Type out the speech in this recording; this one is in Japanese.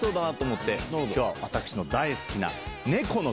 今日は私の大好きな。